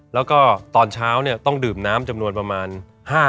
แล้วก็ตอนเช้าต้องดื่มน้ำจำนวนประมาณ